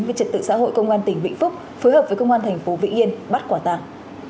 với trật tự xã hội công an tỉnh vĩnh phúc phối hợp với công an thành phố vĩnh yên bắt quả tàng